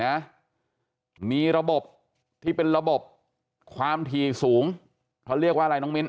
นะมีระบบที่เป็นระบบความถี่สูงเขาเรียกว่าอะไรน้องมิ้น